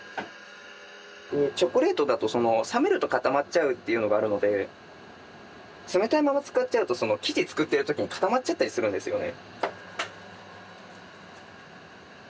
チョコレートだとその冷めると固まっちゃうっていうのがあるので冷たいまま使っちゃうと生地作ってる時に固まっちゃったりするんですよね。